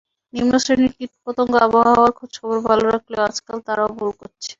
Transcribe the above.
নিম্নশ্রেণীর কীট-পতঙ্গ আবহাওয়ার খোঁজখবর ভালো রাখলেও আজকাল তারাও ভুল করছে।